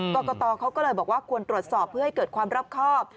กรกตเขาก็เลยบอกว่าควรตรวจสอบเพื่อให้เกิดความรอบครอบ